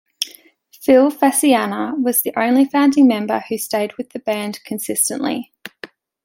Phil Fasciana was the only founding member who stayed with the band consistently.